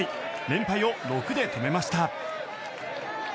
連敗を６で止めました。